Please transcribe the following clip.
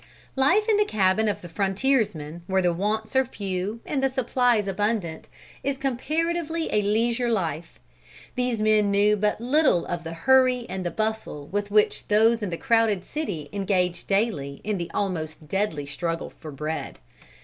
Life in the cabin of the frontiersman, where the wants are few, and the supplies abundant, is comparatively a leisure life. These men knew but little of the hurry and the bustle with which those in the crowded city engage daily in the almost deadly struggle for bread.